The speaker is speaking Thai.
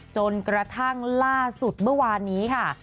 จนกระทั่งล่าสุดเมื่อวานนี้ค่ะ